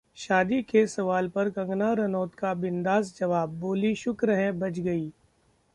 शादी के सवाल पर कंगना रनौत का बिंदास जवाब, बोलीं- शुक्र है बच गई